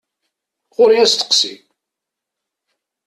Ɣur-i asteqsi!